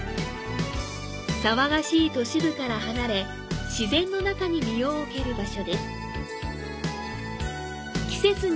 騒がしい都市部から離れ、自然の中に身をおける場所です。